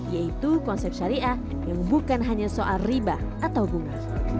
yaitu konsep syariah yang bukan hanya soal riba atau bunga